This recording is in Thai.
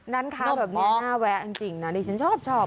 น่าแวะจริงนะดิฉันชอบ